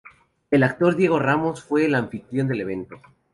El actor Diego Ramos fue el anfitrión del evento.